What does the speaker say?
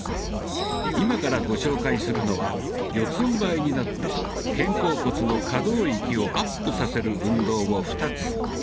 今からご紹介するのは四つんばいになって肩甲骨の可動域をアップさせる運動を２つ。